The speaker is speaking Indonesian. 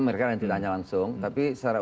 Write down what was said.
mereka yang ditanya langsung tapi secara